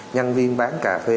nhân viên bán cà phê